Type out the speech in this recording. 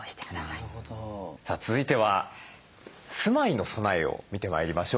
さあ続いては住まいの備えを見てまいりましょう。